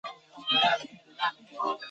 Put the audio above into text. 斡特懒返还回家。